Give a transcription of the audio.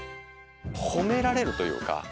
褒められるというか。